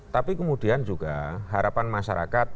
tapi kemudian juga harapan masyarakat